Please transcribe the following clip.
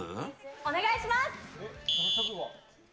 お願いします。